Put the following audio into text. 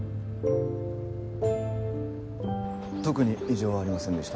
・特に異常はありませんでした